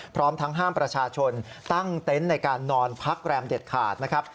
พร้อมทั้งห้ามประชาชนตั้งเต็นต์ในการนอนพักแรมเด็ดขาดนะครับ